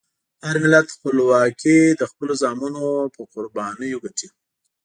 هر ملت خپلواکي د خپلو زامنو په قربانیو ګټي.